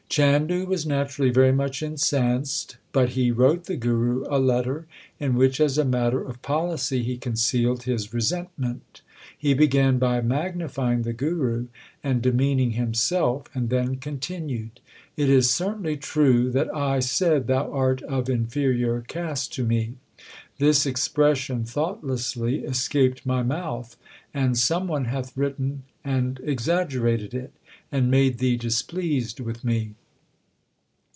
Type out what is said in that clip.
Chandu was naturally very much incensed, but he wrote the Guru a letter, in which as a matter of policy he concealed his resentment. He began by magnifying the Guru and demeaning himself, and then continued : It is certainly true that I said thou art of inferior caste to me. This expres sion thoughtlessly escaped my mouth, and some one hath written and exaggerated it, and made thee displeased with me.